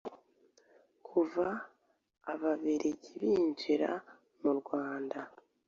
Kuva ababiligi binjira mu Rwanda